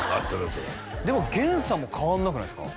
そりゃでも源さんも変わんなくないですか？